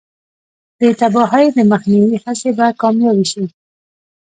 د تباهۍ د مخنیوي هڅې به کامیابې شي.